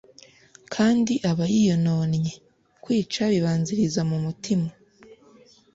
kandi aba yiyononnye. Kwica bibanziriza mu mutima.